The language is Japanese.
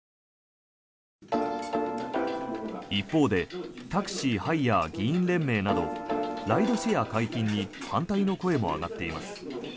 一方でタクシー・ハイヤー議員連盟などライドシェア解禁に反対の声も上がっています。